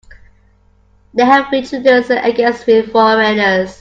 They have prejudices against foreigners.